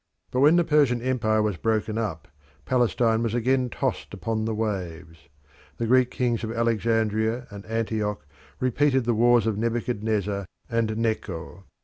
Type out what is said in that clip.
But when the Persian empire was broken up Palestine was again tossed upon the waves. The Greek kings of Alexandria and Antioch repeated the wars of Nebuchadnezzar and Necho.